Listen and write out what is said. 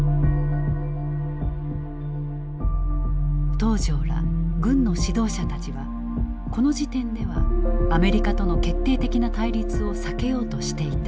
東條ら軍の指導者たちはこの時点ではアメリカとの決定的な対立を避けようとしていた。